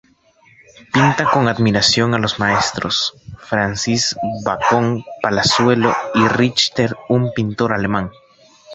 Pinta con admiración a los maestros: Francis Bacon, Palazuelo y Richter, un pintor alemán.